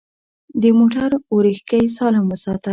د موټر اورېښکۍ سالم وساته.